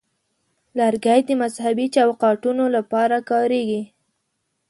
لرګی د مذهبي چوکاټونو لپاره کارېږي.